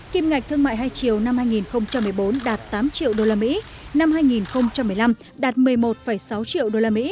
kim ngạch thương mại hai triệu năm hai nghìn một mươi bốn đạt tám triệu usd năm hai nghìn một mươi năm đạt một mươi một sáu triệu usd